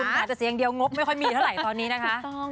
แม้แต่เสียงเดียวงบไม่ค่อยมีเท่าไหร่ตอนนี้นะคะ